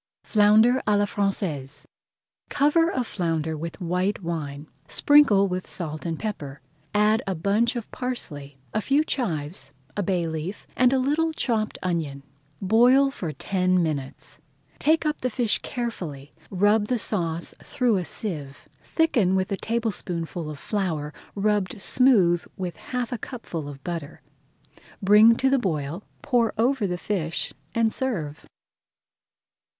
FLOUNDER À LA FRANÇAISE Cover a flounder with white wine, sprinkle with salt and pepper, add a bunch of parsley, a few chives, a bay leaf, and a little chopped onion. Boil for ten minutes. Take up the fish carefully, rub the sauce through a sieve, thicken with a tablespoonful of flour rubbed smooth with half a cupful of butter, bring to the boil, pour over the fish, and serve.